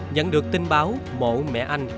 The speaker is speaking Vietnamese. nhận được tin báo mộ mẹ anh